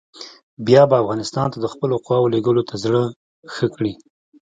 بیا به افغانستان ته د خپلو قواوو لېږلو ته زړه ښه کړي.